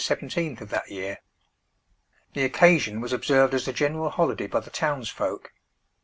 17th of that year. The occasion was observed as a general holiday by the towns folk.